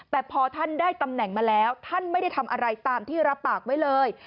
แต่พอท่านได้ตำแหน่งมาแล้วท่านไม่ได้ทำอะไรตามที่รับปากไว้เลย